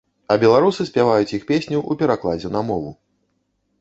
А беларусы спяваюць іх песню ў перакладзе на мову.